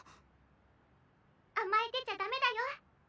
「甘えてちゃダメだよ」。